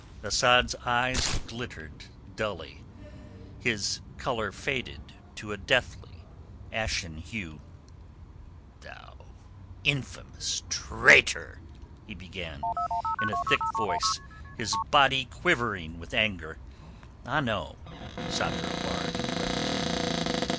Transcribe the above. Asad's eyes glittered dully, his colour faded to a deathly ashen hue. "Thou infamous traitor...." he began in a thick voice, his body quivering with anger. "Ah no," Sakr el Bahr interrupted him.